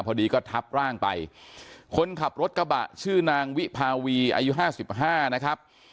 พอดีก็ทับร่างไปคนขับรถกระบะชื่อนางวิภาวีอายุห้าสิบห้านะครับ